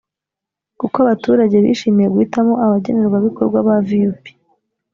uko abaturage bishimiye guhitamo abagenerwabikorwa ba vup